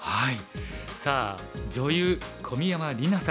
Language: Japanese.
さあ女優小宮山莉渚さん